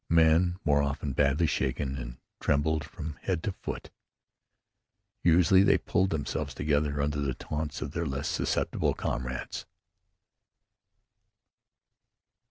Men were often badly shaken and trembled from head to foot. Usually they pulled themselves together under the taunts of their less susceptible comrades.